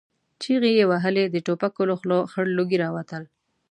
چيغې يې وهلې، د ټوپکو له خولو خړ لوګي را وتل.